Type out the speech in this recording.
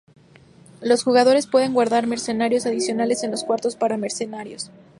Los jugadores pueden guardar mercenarios adicionales en los cuartos para mercenarios.